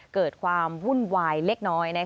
เกิดความวุ่นวายเล็กน้อย